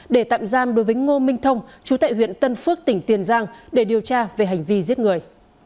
để tạm giam đối với ngô minh thông chú tại huyện tân phước tỉnh tiền giang để điều tra về hành vi giết người